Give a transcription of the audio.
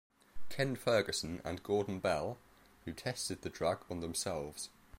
Ken Ferguson and Gordon Bell, who tested the drug on themselves.